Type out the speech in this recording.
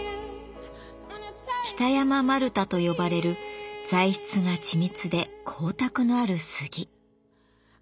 北山丸太と呼ばれる材質が緻密で光沢のある杉。